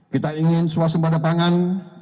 kita ingin suasana pada pangan